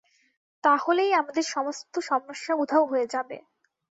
তাহলেই আমাদের সমস্ত সমস্যা উধাও হয়ে যাবে।